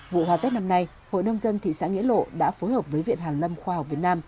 vụ hoa tết năm nay hội nông dân thị xã nghĩa lộ đã phối hợp với viện hàn lâm khoa học việt nam